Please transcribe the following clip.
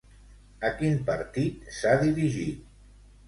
A quin partit s'ha dirigit?